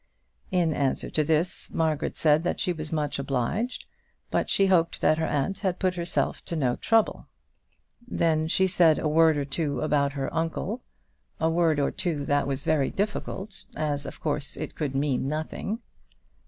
In answer to this, Margaret said that she was much obliged, but she hoped that her aunt had put herself to no trouble. Then she said a word or two about her uncle, a word or two that was very difficult, as of course it could mean nothing.